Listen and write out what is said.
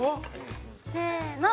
せの。